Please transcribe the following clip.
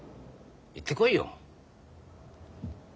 行ってこいよ。